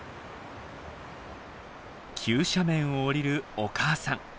急斜面を下りるお母さん。